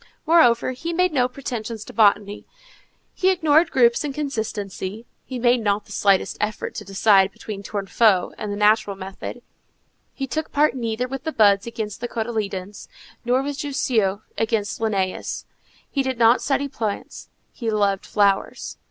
Moreover, he made no pretensions to botany; he ignored groups and consistency; he made not the slightest effort to decide between Tournefort and the natural method; he took part neither with the buds against the cotyledons, nor with Jussieu against Linnæus. He did not study plants; he loved flowers.